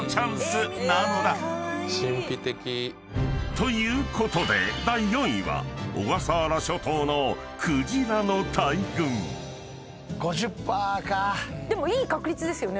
［ということで第４位は小笠原諸島のクジラの大群］でもいい確率ですよね。